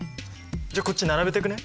じゃあこっちに並べていくね。